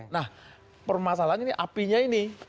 nah permasalahannya ini apinya ini